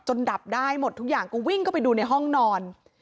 ดับได้หมดทุกอย่างก็วิ่งเข้าไปดูในห้องนอน